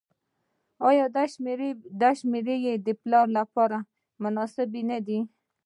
آیا دا شمیرې د پلان لپاره مهمې نه دي؟